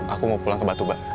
aku mau pulang ke batubara